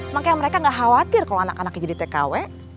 makanya mereka gak khawatir kalau anak anaknya jadi tkw